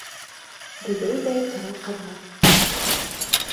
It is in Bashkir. Дейеүҙәй тора ҡырҙа.